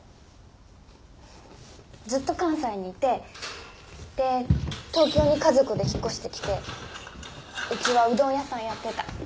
ずっと関西にいてで東京に家族で引っ越してきてウチはうどん屋さんやってた。